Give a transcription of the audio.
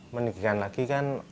meninggikan lagi kan